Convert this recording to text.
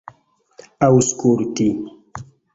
aŭskulti